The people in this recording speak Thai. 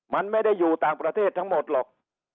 มันไม่ได้อยู่ต่างประเทศทั้งหมดหรอก